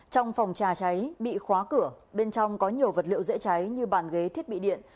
trong phòng trà cháy bị khóa cửa bên trong có nhiều vật liệu dễ cháy như bàn ghế thiết bị điện